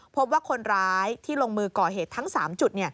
พบว่าคนร้ายที่ลงมือก่อเหตุทั้ง๓จุด